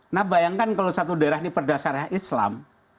nah bayangkan kalau satu daerah ini perdasariah islam